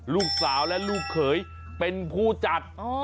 ลูกสาวและลูกเขยเป็นผู้จัด